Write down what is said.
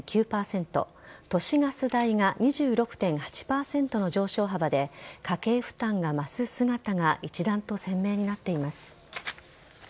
都市ガス代が２６．８％の上昇幅で家計負担が増す姿が一段と鮮明になっています。